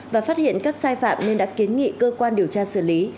và phát hiện các sai phạm nên đã kiến nghị cơ quan điều tra xử lý